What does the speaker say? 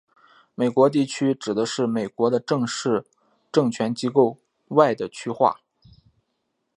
美国地区指的美国的正式政权机构外的区划。